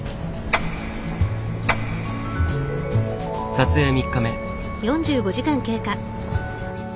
撮影３日目。